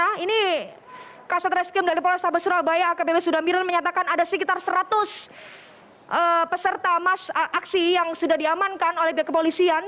nah ini kansa traskim dari polos sabah surabaya akpb sudamiran menyatakan ada sekitar seratus peserta mas aksi yang sudah diamankan oleh pihak kepolisian